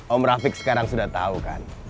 om rafiq sekarang sudah tahu kan